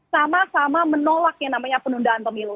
sama sama menolak yang namanya penundaan pemilu